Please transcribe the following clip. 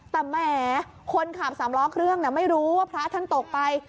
แต่แหมคนขับสามล้อเครื่องไม่รู้ว่าพระท่านตกไป